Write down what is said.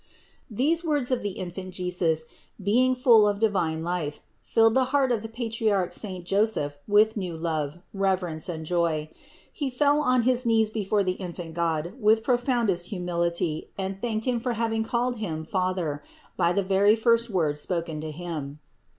682. These words of the Infant Jesus, being full of divine life, rilled the heart of the patriarch saint Joseph with new love, reverence and joy. He fell on his knees before the infant God with the profoundest humility and thanked Him for having called Him "father" by the very first word spoken to him.